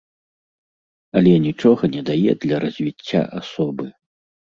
Але нічога не дае для развіцця асобы.